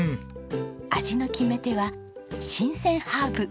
味の決め手は新鮮ハーブ。